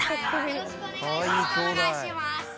よろしくお願いします。